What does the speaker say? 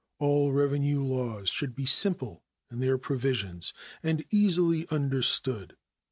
All revenue laws should be simple in their provisions and easily understood.